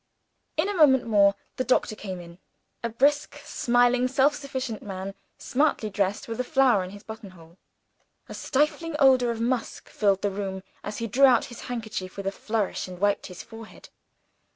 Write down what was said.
In a moment more, the doctor came in a brisk, smiling, self sufficient man smartly dressed, with a flower in his button hole. A stifling odor of musk filled the room, as he drew out his handkerchief with a flourish, and wiped his forehead.